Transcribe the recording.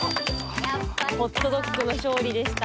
ホットドッグの勝利でした。